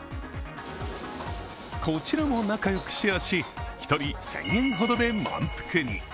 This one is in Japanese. こちらも仲よくシェアし１人１０００円ほどで満腹に。